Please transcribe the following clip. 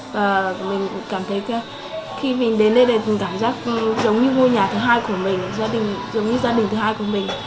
và mình cũng cảm thấy khi mình đến đây thì mình cảm giác giống như ngôi nhà thứ hai của mình giống như gia đình thứ hai của mình